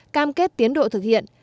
cam kết tiến độ thực hiện